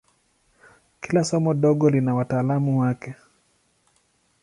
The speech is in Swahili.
Kila somo dogo lina wataalamu wake.